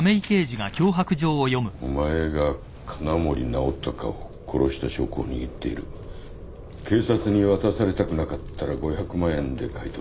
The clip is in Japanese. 「お前が金森直孝を殺した証拠を握っている」「警察に渡されたくなかったら五百万円で買い取れ」